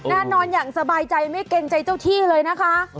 แน่นอนอย่างสบายใจไม่เกรงใจเจ้าที่เลยนะคะ